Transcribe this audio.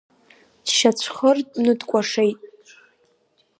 Дшьацәхыртәны дкәашеит.